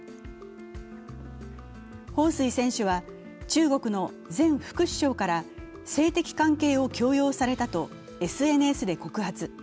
彭帥選手は中国の前副首相から性的関係を強要されたとＳＮＳで告発。